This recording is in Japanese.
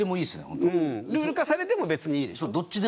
ルール化されても別にいいでしょ。